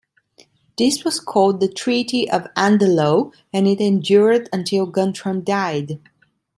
This was called the Treaty of Andelot and it endured until Guntram died.